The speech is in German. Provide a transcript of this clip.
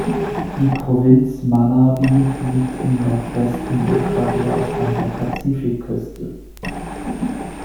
Die Provinz Manabí liegt im Nordwesten Ecuadors an der Pazifikküste.